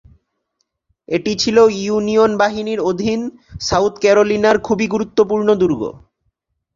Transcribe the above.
এটি ছিল ইউনিয়ন বাহিনীর অধীন সাউথ ক্যারোলিনার খুব-ই গুরুত্বপূর্ণ দুর্গ।